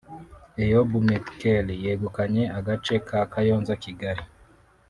Eyob Metkel yegukanye agace ka Kayonza-Kigali